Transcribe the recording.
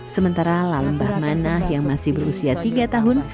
sementara lalembah manah yang masih berusia tiga tahun